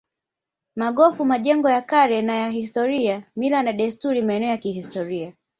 Magofu majengo ya kale na ya kihistoria mila na desturi maeneo ya kihistoria